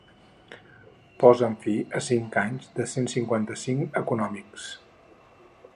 Posem fi a cinc anys de cent cinquanta-cinc econòmics.